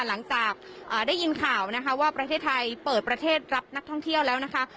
หลังจากได้ยินข่าวนะคะว่าประเทศไทยเปิดประเทศรับนักท่องเที่ยวแล้วนะคะ